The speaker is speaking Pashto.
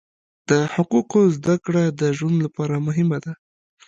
د حقوقو زده کړه د ژوند لپاره مهمه ده.